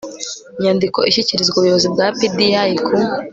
nyandiko ishyikirizwa Ubuyobozi bwa PDI ku